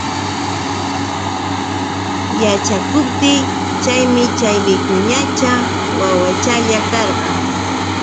Yaćhaptiy chaymi chay wicuñacha wawachalla karqa.